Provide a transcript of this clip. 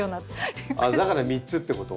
だから３つってこと？